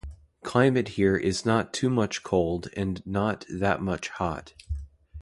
Climate here is not too much cold and not that much hot.